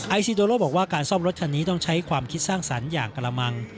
ซิโดโล่บอกว่าการซ่อมรถคันนี้ต้องใช้ความคิดสร้างสรรค์อย่างกระมัง